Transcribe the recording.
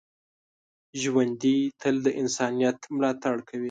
ژوندي تل د انسانیت ملاتړ کوي